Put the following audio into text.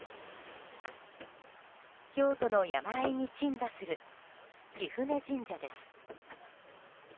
京都の山あいに鎮座する貴船神社です。